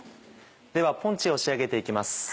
ではポンチを仕上げて行きます。